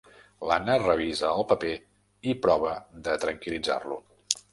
L'Anna revisa el paper i prova de tranquil·litzar-lo.